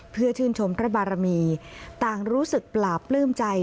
เพื่อชื่นชมพระบารมีต่างรู้สึกปลาปลื้มใจ